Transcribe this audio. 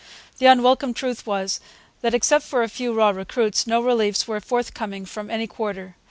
The unwelcome truth was that, except for a few raw recruits, no reliefs were forthcoming from any quarter.